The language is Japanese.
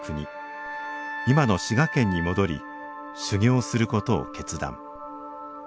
今の滋賀県に戻り修行することを決断。